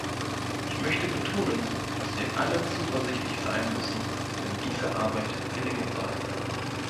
Ich möchte betonen, dass wir alle zuversichtlich sein müssen, wenn diese Arbeit gelingen soll.